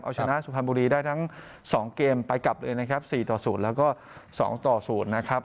เอาชนะสุพรรณบุรีได้ทั้ง๒เกมไปกลับเลยนะครับ๔ต่อ๐แล้วก็๒ต่อ๐นะครับ